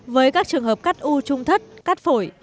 với các trường hợp cắt u trung thất cắt phổi